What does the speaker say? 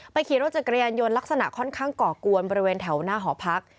ไปเขียนว่าจะเกรียญยนต์ลักษณะค่อนข้างก่อกวนบริเวณแถวหน้าหอพัก